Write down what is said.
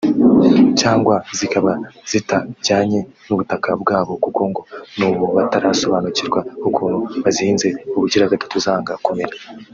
cyangwa zikaba zitajyanye n’ubutaka bwa bo kuko ngo n’ubu batarasobanukirwa ukuntu bazihinze ubugira gatatu zanga kumera